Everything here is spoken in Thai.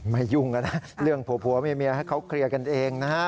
ไม่ยุ่งนะเรื่องผัวเมียเขาเคลียร์กันเองนะฮะ